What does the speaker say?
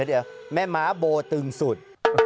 เดี๋ยวแม่ม้าโบตึงสุด